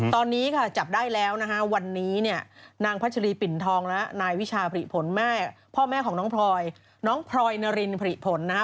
ตอนนี้ค่ะจับได้แล้วนะฮะวันนี้เนี่ยนางพัชรีปิ่นทองและนายวิชาผลิผลแม่พ่อแม่ของน้องพลอยน้องพลอยนารินผลิผลนะฮะ